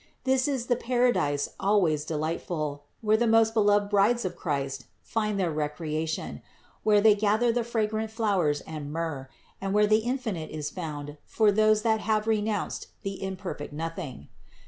This is the paradise always delightful, where the most beloved brides of Christ find their recreation, where they gather the fragrant flowers and myrrh, and where the infinite is found for those that have renounced the imperfect nothing.